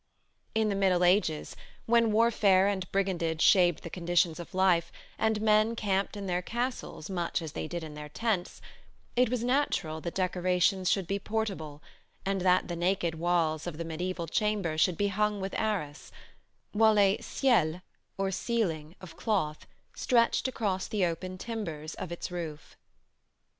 In the middle ages, when warfare and brigandage shaped the conditions of life, and men camped in their castles much as they did in their tents, it was natural that decorations should be portable, and that the naked walls of the mediæval chamber should be hung with arras, while a ciel, or ceiling, of cloth stretched across the open timbers of its roof.